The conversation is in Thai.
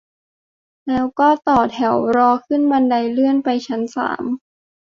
แล้วก็ต่อแถวรอขึ้นบันไดเลื่อนไปชั้นสาม